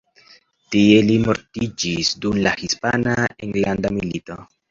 Tie li mortiĝis dum la Hispana Enlanda Milito.